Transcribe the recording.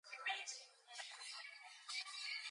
Music is different, short and has low volume.